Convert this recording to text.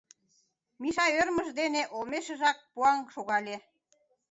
Миша ӧрмыж дене олмешыжак пуаҥ шогале.